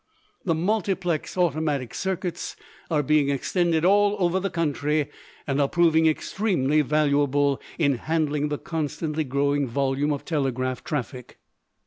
The multiplex automatic circuits are being extended all over the country and are proving extremely valuable in handling the constantly growing volume of telegraph traffic.